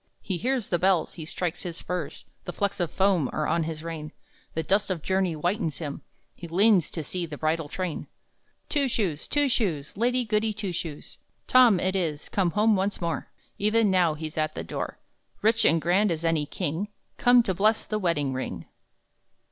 He hears the bells, he strikes his spurs, The flecks of foam are on his rein, The dust of journey whitens him, He leans to see the bridal train! Two Shoes, Two Shoes, Lady Goody Two Shoes! Tom it is, come home once more! Even now he's at the door, Rich and grand as any king Come to bless the wedding ring!